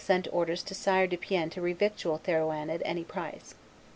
sent orders to Sire de Piennes to revictual Therouanne "at any price."